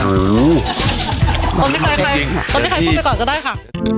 หือตัวนี้ใครพูดไปก่อนก็ได้ค่ะ